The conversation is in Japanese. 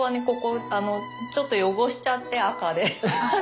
ここちょっと汚しちゃって赤で。